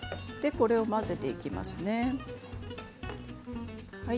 これを混ぜていきますね。